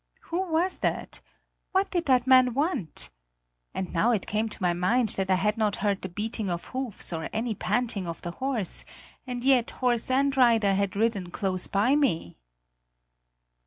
Who was that? What did that man want? And now it came to my mind that I had not heard the beating of hoofs or any panting of the horse; and yet horse and rider had ridden close by me!